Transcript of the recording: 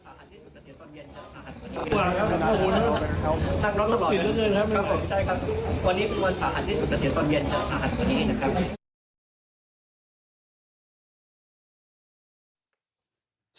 การพื้นภาษาให้การกระกรึก